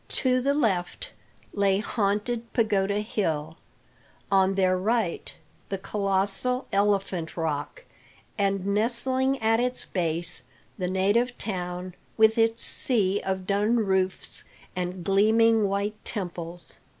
To the left lay Haunted Pagoda Hill; on their right the colossal Elephant Rock; and, nestling at its base, the native town, with its sea of dun roofs and gleaming white temples.